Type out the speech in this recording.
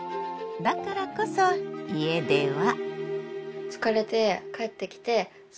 だからこそ家では。